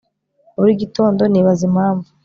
Buri gitondo nibaza impamvu